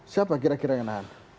siapa kira kira yang menahan